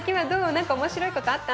何か面白いことあった？